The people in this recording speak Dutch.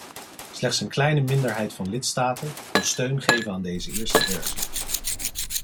Slechts een kleine minderheid van lidstaten kon steun geven aan deze eerste versie.